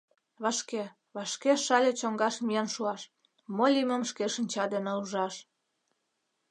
Вашке, вашке Шале чоҥгаш миен шуаш, мо лиймым шке шинча денак ужаш...